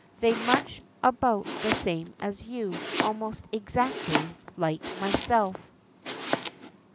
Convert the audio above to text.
They're much about the same as you almost exactly like myself.